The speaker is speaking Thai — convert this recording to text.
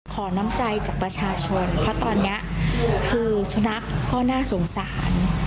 ขอน้ำใจจากประชาชนเพราะตอนนี้คือสุนัขก็น่าสงสาร